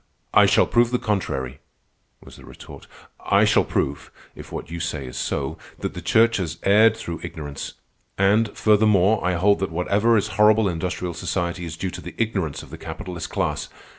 "I shall prove the contrary," was the retort. "I shall prove, if what you say is so, that the Church has erred through ignorance. And, furthermore, I hold that whatever is horrible in industrial society is due to the ignorance of the capitalist class.